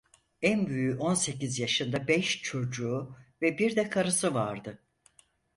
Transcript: En büyüğü on sekiz yaşında beş çocuğu ve bir de karısı vardı.